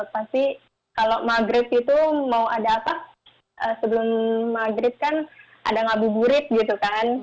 pasti kalau maghrib itu mau ada apa sebelum maghrib kan ada ngabuburit gitu kan